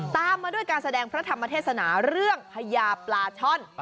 ตามมาด้วยการแสดงพระธรรมเทศนาเรื่องพญาปลาช่อน